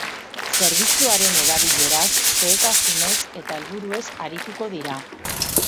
Zerbitzuaren erabileraz, xehetasunez eta helburuez arituko dira.